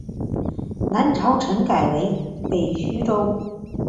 南朝陈改为北徐州。